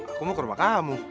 aku mau ke rumah kamu